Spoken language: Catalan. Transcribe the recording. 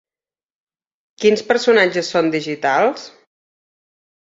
Quins personatges són digitals?